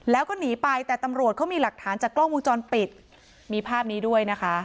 แล้วก็หนีไปแต่ตำรวจเขามีหลักฐานจากกล้องวงจรปิดมีภาพนี้ด้วยนะคะ